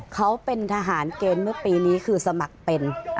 เขาเป็นทหารเกณฑ์เมื่อปีนี้คือสมัครเป็น